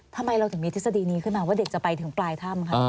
ทำไมเราถึงมีทฤษฎีนี้ขึ้นมาว่าเด็กจะไปถึงปลายถ้ำคะ